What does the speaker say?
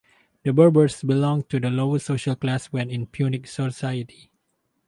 The Berbers belonged to the lower social class when in Punic society.